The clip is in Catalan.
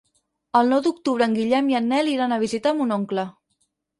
El nou d'octubre en Guillem i en Nel iran a visitar mon oncle.